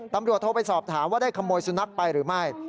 ตำรวจโทรไปสอบถามว่าได้ขโมยสุนัขไปหรือไม่